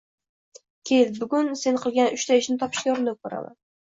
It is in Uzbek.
Kel, bugun sen qilgan uchta ishni topishga urinib ko‘raman.